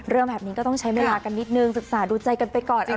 เรื่องแบบนี้ก็ต้องใช้เมื่อกันนิดนึงศึกษาดูใจกันไปก่อนอะไรแบบนี้